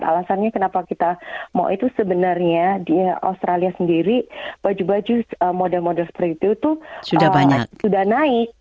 alasannya kenapa kita mau itu sebenarnya di australia sendiri baju baju model model seperti itu tuh sudah naik